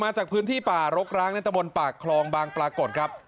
จากพื้นที่ป่ารกร้างในตะบนปากคลองบางปรากฏครับ